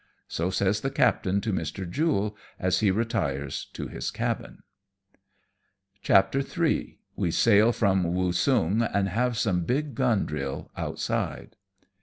So says the captain to Mr. Jule, as he retires to his cabin. CHAPTER III. WE SAIL FKOM WOOSUNG, AND HAVE SOME BIG GUM DRILL OUTSIDE.